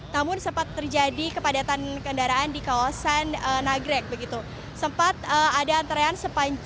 namun sempat terjadi kepadatan kendaraan di kawasan nagres